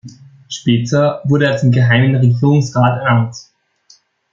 Später wurde er zum Geheimen Regierungsrat ernannt.